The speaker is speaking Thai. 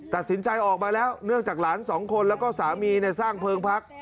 ตัดสินใจออกมาแล้วเนื่องจากหลานสองคนแล้วก็สามีสร้างเพลิงพัก